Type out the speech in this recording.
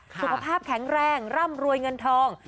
สุขภาพแข็งแรงร่ำรวยเงินทอง